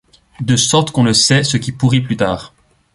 De sorte qu’on ne sait ce qui pourrit plus tard.